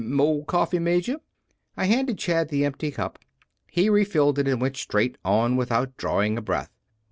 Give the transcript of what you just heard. "Mo' coffee, Major?" I handed Chad the empty cup. He refilled it, and went straight on without drawing breath.